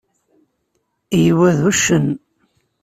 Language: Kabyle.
Yuba d uccen.